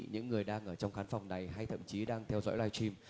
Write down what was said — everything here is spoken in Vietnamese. những người đang ở trong khán phòng này hay thậm chí đang theo dõi live stream